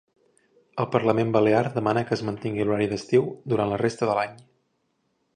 El Parlament Balear demana que es mantingui l'horari d'estiu durant la resta de l'any.